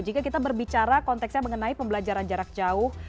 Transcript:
jika kita berbicara konteksnya mengenai pembelajaran jarak jauh